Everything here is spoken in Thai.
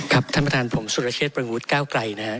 ครับท่านประธานผมสุรเชษฐ์ปรังวุฒิเก้าไกรนะฮะ